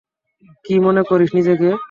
কী মনে করিস নিজেকে?